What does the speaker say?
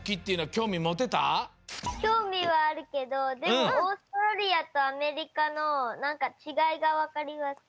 きょうみはあるけどでもオーストラリアとアメリカのなんかちがいがわかりません。